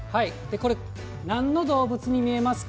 これ、なんの動物に見えますか？